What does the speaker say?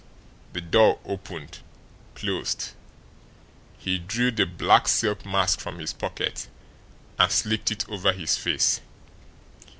The door opened, closed; he drew the black silk mask from his pocket and slipped it over his face.